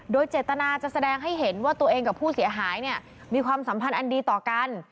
โดยเจตนาจะแสดงให้เห็นว่าตัวเองกับผู้เสียหายเนี่ยมีความสัมพันธ์อันดีต่อกัน